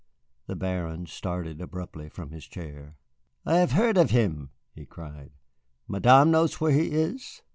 The Baron started abruptly from his chair. "I have heard of him," he cried; "Madame knows where he is?"